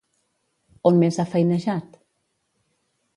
On més ha feinejat?